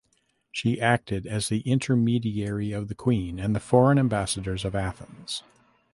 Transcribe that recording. She acted as the intermediary of the queen and the foreign ambassadors of Athens.